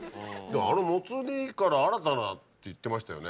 あのもつ煮から新たなって言ってましたよね。